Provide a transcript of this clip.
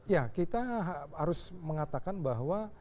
ya kita harus mengatakan bahwa